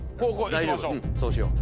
大丈夫そうしよう。